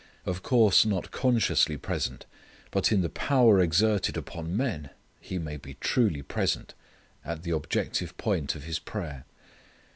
Of course not consciously present. But in the power exerted upon men he may be truly present at the objective point of his prayer.